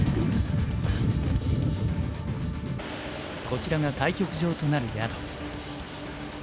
こちらが対局場となる宿。